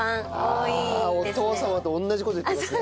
お父様と同じ事言ってますね。